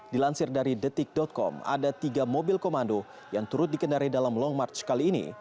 dilansir dari detik com ada tiga mobil komando yang turut dikendari dalam long march kali ini